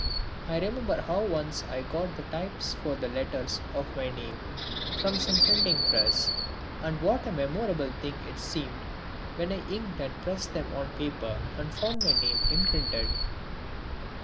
I remember how once I got the types for the letters of my name from some printing press, and what a memorable thing it seemed when I inked and pressed them on paper and found my name imprinted.